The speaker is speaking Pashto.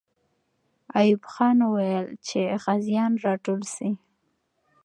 ایوب خان وویل چې غازیان راټول سي.